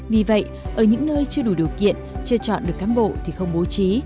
vì vậy ở những nơi chưa đủ điều kiện chưa chọn được cán bộ thì không bố trí